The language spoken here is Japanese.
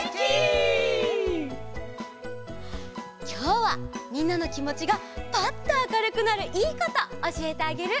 きょうはみんなのきもちがぱっとあかるくなるいいことおしえてあげる！